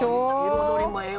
彩りもええわ